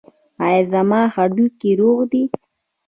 ایا زما هډوکي روغ دي؟